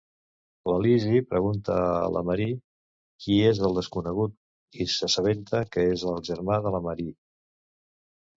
La Lizzie pregunta a la Marie qui és el desconegut i s'assabenta que és el germà de la Marie.